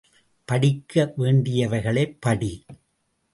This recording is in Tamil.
படிக்க வேண்டியவைகளைப் படி?